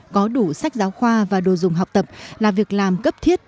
có đủ sách giáo khoa và đồ dùng học tập là việc làm cấp thiết